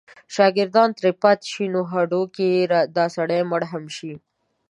شاګردان ترې پاتې شي نو هډو که دا سړی مړ هم شي.